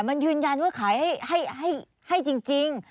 มันยืนยันว่าขายให้จริง